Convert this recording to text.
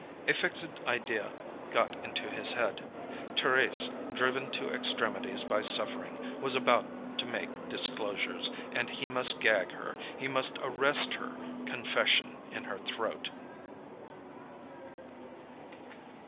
A fixed idea got into his head: Thérèse, driven to extremities by suffering, was about to make disclosures, and he must gag her, he must arrest her confession in her throat.